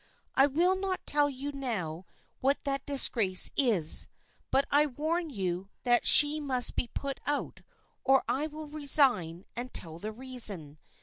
I will not tell you now what that disgrace is, but I warn you that she must be put out or I will resign and tell the reason.